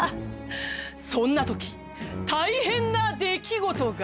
そんな時大変な出来事が。